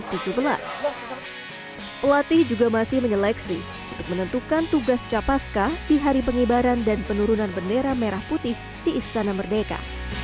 pelatih juga masih menyeleksi untuk menentukan tugas capaska di hari pengibaran dan penurunan bendera merah putih di istana merdeka